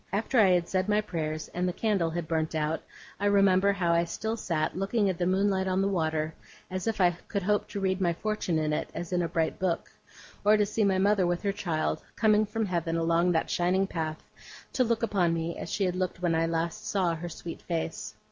After I had said my prayers, and the candle had burnt out, I remember how I still sat looking at the moonlight on the water, as if I could hope to read my fortune in it, as in a bright book; or to see my mother with her child, coming from Heaven, along that shining path, to look upon me as she had looked when I last saw her sweet face.